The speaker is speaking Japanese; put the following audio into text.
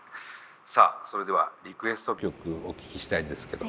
さあそれではリクエスト曲お聞きしたいんですけど。